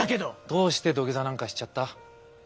どうして土下座なんかしちゃった？